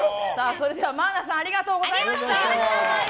それでは、まーなさんありがとうございました。